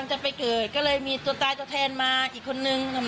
เธอก็เชื่อว่ามันคงเป็นเรื่องความเชื่อที่บรรดองนำเครื่องเส้นวาดผู้ผีปีศาจเป็นประจำ